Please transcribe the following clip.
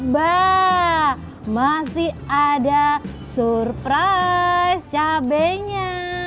bah masih ada surprise cabainya